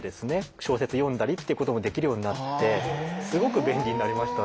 小説読んだりってこともできるようになってすごく便利になりましたね。